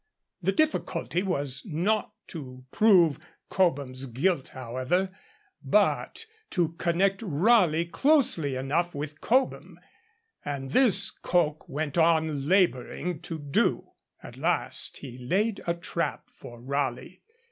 The difficulty was not to prove Cobham's guilt, however, but to connect Raleigh closely enough with Cobham, and this Coke went on labouring to do. At last he laid a trap for Raleigh.